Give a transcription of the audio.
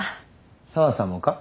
紗和さんもか？